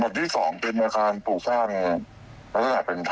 ดวงที่สองเป็นเหมาะการผูกสร้างแล้วก็อาจเป็น